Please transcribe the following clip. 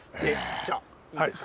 じゃあ、いいですか？